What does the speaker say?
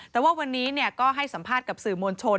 แต่ว่าวันนี้ก็ให้สัมภาษณ์กับสื่อมวลชน